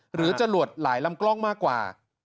หรือจะหลวดหลายลำกล้องมากกว่า